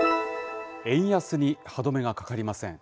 円安に歯止めがかかりません。